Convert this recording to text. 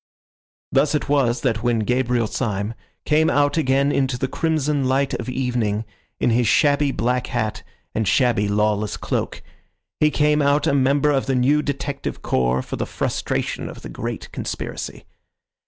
Thus it was that when Gabriel Syme came out again into the crimson light of evening, in his shabby black hat and shabby, lawless cloak, he came out a member of the New Detective Corps for the frustration of the great conspiracy.